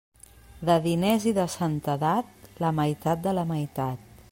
De diners i de santedat, la meitat de la meitat.